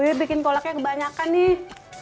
be uyu bikin kolaknya kebanyakan nih